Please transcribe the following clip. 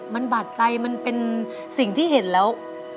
มันบาดใจมันเป็นสิ่งที่เห็นแล้ว